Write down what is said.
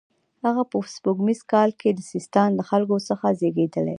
هغه په سپوږمیز کال کې د سیستان له خلکو څخه زیږېدلی.